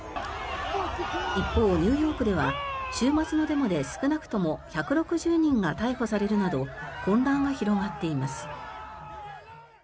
一方、ニューヨークでは週末のデモで少なくとも１６０人が逮捕されるなど混乱が広がっています。